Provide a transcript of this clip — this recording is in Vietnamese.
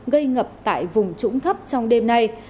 gây ngập tại vùng trũng thấp trong đêm nay